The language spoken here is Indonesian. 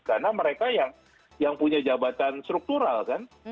karena mereka yang punya jabatan struktural kan